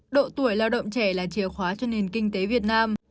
độ tuổi lao động trẻ là chìa khóa cho nền kinh tế việt nam